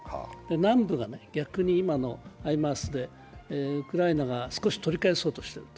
南部が逆に今のハイマースでウクライナが少し取り返そうとしている。